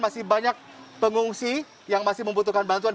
masih banyak pengungsi yang masih membutuhkan bantuan